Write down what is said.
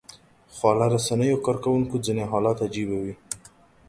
خواله رسنیو کاروونکو ځینې حالات عجيبه وي